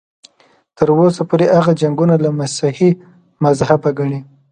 تر اوسه پورې هغه جنګونه له مسیحي مذهبه ګڼي.